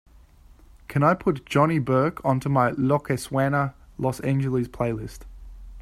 Can I put johnny burke onto my lo que suena los angeles playlist?